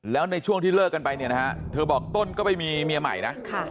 และในช่วงที่เลิกกันไปเธอบอกต้นก็ไปมีเมียใหม่